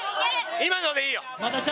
今のでいいよ。